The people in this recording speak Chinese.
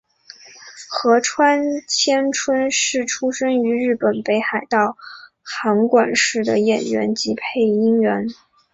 川合千春是出身于日本北海道函馆市的演员及配音员。